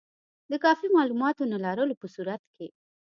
د کافي معلوماتو نه لرلو په صورت کې.